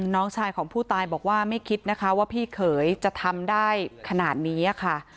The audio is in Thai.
น้องชายของผู้ตายบอกว่าไม่คิดนะคะว่าพี่เขยจะทำได้ขนาดนี้ค่ะ